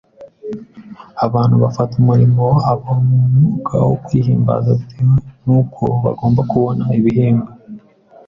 abantu bafata umurimo wabo mu mwuka wo kwihimbaza bitewe n’uko bagomba kubona ibihembo,